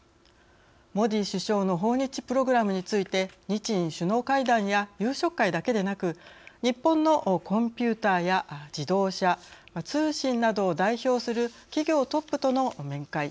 モディ首相の訪日プログラムについて日印首脳会談や夕食会だけでなく日本のコンピューターや自動車、通信などを代表する企業トップとの面会